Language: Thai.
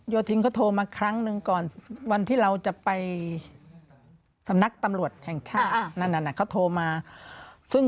โยธินเขาโทรมาครั้งนึงก่อนวันที่เราไปสำนักตำรวจแห่งชาติ